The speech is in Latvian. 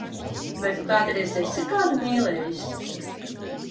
Vai Tu kādreiz esi kādu mīlējis?